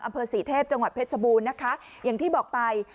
อำเภอศรีเทพจังหวัดเพชรบูรณ์นะคะอย่างที่บอกไป